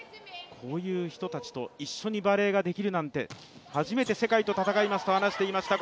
こういう人たちと一緒にバレーができるなんて初めて世界と戦いますと話していました